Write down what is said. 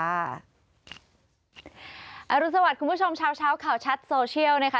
รุสวัสดิ์คุณผู้ชมเช้าข่าวชัดโซเชียลนะคะ